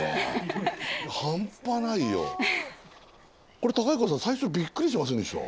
これ公彦さん最初びっくりしませんでした？